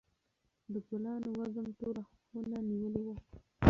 د ګلانو وږم ټوله خونه نیولې وه.